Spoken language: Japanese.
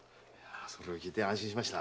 それを聞いて安心しました。